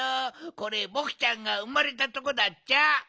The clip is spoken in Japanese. これぼくちゃんがうまれたとこだっちゃ。